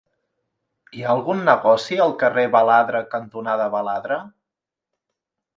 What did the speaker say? Hi ha algun negoci al carrer Baladre cantonada Baladre?